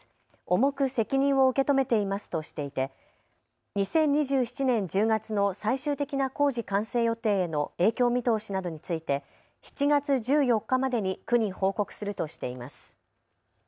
重く責任を受け止めていますとしていて２０２７年１０月の最終的な工事完成予定への影響見通しなどについて７月１４日までに区に報告するとしています。